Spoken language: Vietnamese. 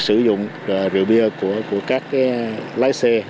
sử dụng rượu bia của các lái xe